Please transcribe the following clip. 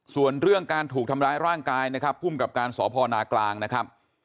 ส่วนเรื่องการถูกทำร้ายร่างกายนะครับภูมิกับการสพนากลางนะครับ